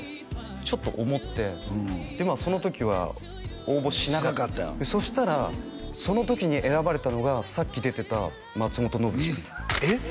ちょっと思ってその時は応募しなかったそしたらその時に選ばれたのがさっき出てた松本伸樹えっ？